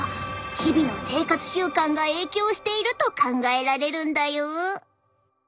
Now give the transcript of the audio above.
日々の生活習慣が影響していると考えられるんだよ。